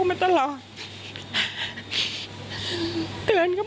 ไม่ตั้งใจครับ